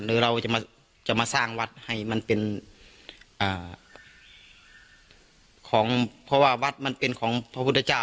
หรือเราจะมาสร้างวัดให้มันเป็นของเพราะว่าวัดมันเป็นของพระพุทธเจ้า